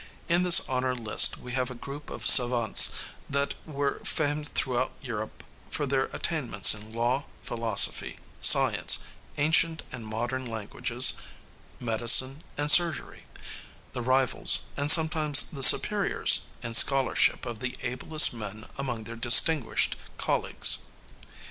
In this honor list we have a group of savantes that were famed throughout Europe for their attainments in law, philosophy, science, ancient and modern languages, medicine, and surgery the rivals, and sometimes the superiors, in scholarship of the ablest men among their distinguished colleagues.